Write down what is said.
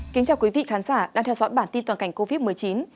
kính chào quý vị khán giả đang theo dõi bản tin toàn cảnh covid một mươi chín